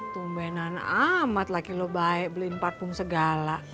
tumbenan amat laki lu baik beliin parfum segala